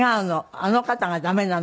あの方が駄目なの。